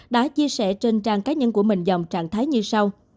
đã chia sẻ trên trang cá nhân của mình dòng trạng thái như sau